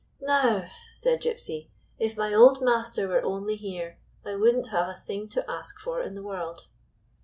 " Now," said Gypsy, " if my old master were only here, I would n't have a thing to ask for in the world."